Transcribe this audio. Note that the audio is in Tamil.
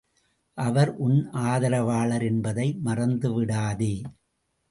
அவர் உன் ஆதரவாளர் என்பதை மறந்துவிடாதே!